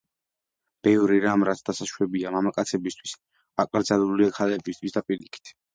ბევრი რამ, რაც დასაშვებია მამაკაცებისთვის, აკრძალულია ქალებისთვის, და პირიქით.